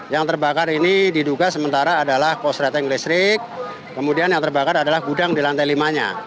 yang terbakar ini diduga sementara adalah pos rating listrik kemudian yang terbakar adalah gudang di lantai lima nya